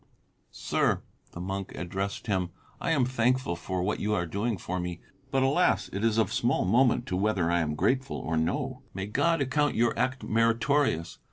"Sir," the monk addressed him, "I am thankful for what you are doing for me; but alas! it is of small moment to you whether I am grateful or no. May God account your act meritorious!